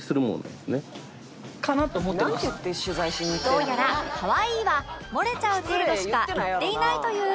どうやら「かわいい」は漏れちゃう程度しか言っていないという